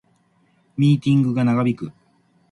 ミーティングが長引く